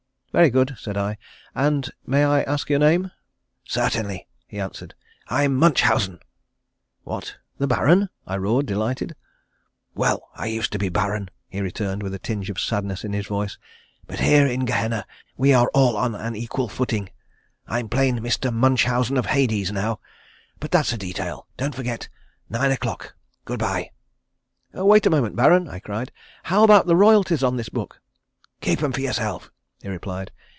"Very good," said I. "And may I ask your name?" "Certainly," he answered. "I'm Munchausen." "What? The Baron?" I roared, delighted. "Well I used to be Baron," he returned with a tinge of sadness in his voice, "but here in Gehenna we are all on an equal footing. I'm plain Mr. Munchausen of Hades now. But that's a detail. Don't forget. Nine o'clock. Good bye." "Wait a moment, Baron," I cried. "How about the royalties on this book?" "Keep 'em for yourself," he replied.